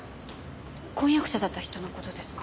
婚約者だった人のことですか？